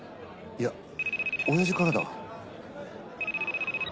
いやおやじからだ。